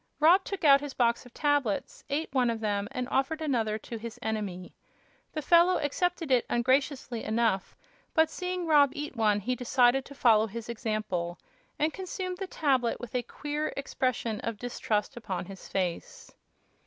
Rob took out his box of tablets, ate one of them and offered another to his enemy. The fellow accepted it ungraciously enough, but seeing Rob eat one he decided to follow his example, and consumed the tablet with a queer expression of distrust upon his face.